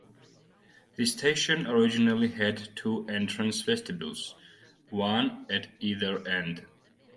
The station originally had two entrance vestibules, one at either end.